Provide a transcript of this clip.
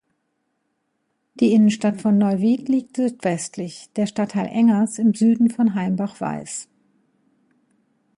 Die Innenstadt von Neuwied liegt südwestlich, der Stadtteil Engers im Süden von Heimbach-Weis.